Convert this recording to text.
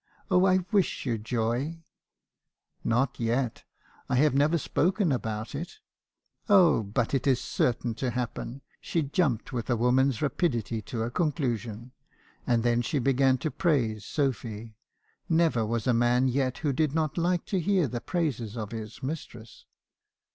Oh , I wish you joy !'" 'Not yet; I have never spoken about it.' "' Oh , but it is certain to happen.' She jumped with a wo man's rapidity to a conclusion. And then she began to praise Sophy. Never was a man yet who did not like to hear the praises of his mistress.